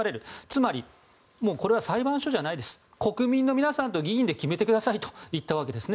つまり、これは裁判所じゃなく国民の皆さんと議員で決めてくださいと言ったわけです。